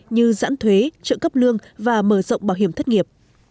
như giãn thuế trợ cấp lương và mở rộng bảo hiểm thất nghiệp